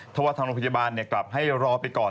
เพราะว่าทางโรงพยาบาลกลับให้รอไปก่อน